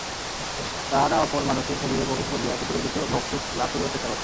তাহারা অপর মানুষের শরীরে প্রবেশ করিয়া পৃথিবীর কিছু ভোগসুখ লাভ করিবার চেষ্টা করে।